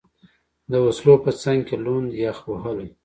د وسلو په څنګ کې، لوند، یخ وهلی.